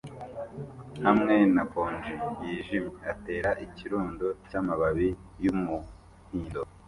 hamwe na konji yijimye atera ikirundo cyamababi yumuhindo